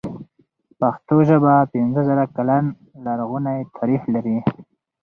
پښتو ژبه پنځه زره کلن لرغونی تاريخ لري.